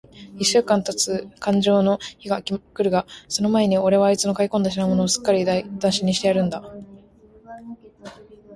一週間たつとかんじょうの日が来るが、その前に、おれはあいつの買い込んだ品物を、すっかりだいなしにしてやるんだ。